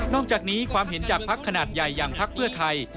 อกจากนี้ความเห็นจากพักขนาดใหญ่อย่างพักเพื่อไทย